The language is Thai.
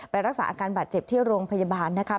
รักษาอาการบาดเจ็บที่โรงพยาบาลนะครับ